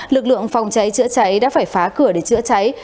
lực lượng phòng cháy chữa cháy đã phải phá cửa để chữa cháy